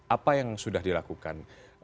apa yang sudah dilakukan